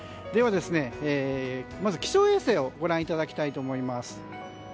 ではまず気象衛星をご覧いただきたいと思います。